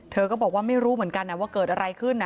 เธอก็บอกว่าไม่รู้เหมือนกันว่าเกิดอะไรขึ้น